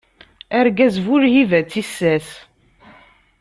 Argaz bu lhiba d tissas.